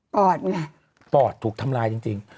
อดไงปอดถูกทำลายจริง